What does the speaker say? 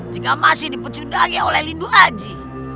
jika masih dipecundangi oleh lindu aji